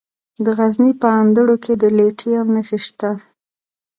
د غزني په اندړ کې د لیتیم نښې شته.